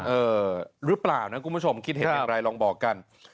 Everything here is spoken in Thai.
เออหรือเปล่านะคุณผู้ชมคิดเห็นอย่างไรลองบอกกัน